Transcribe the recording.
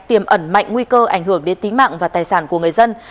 tiềm ẩn mạnh nguy cơ ảnh hưởng đến tính mạng và tài sản của người dân